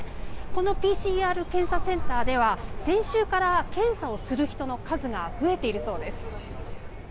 このＰＣＲ検査センターでは先週から検査する人の数が増えているそうです。